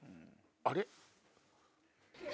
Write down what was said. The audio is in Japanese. あれ？